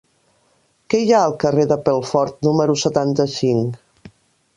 Què hi ha al carrer de Pelfort número setanta-cinc?